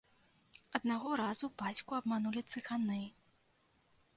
Аднаго разу бацьку абманулі цыганы.